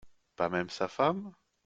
Pas même sa femme ?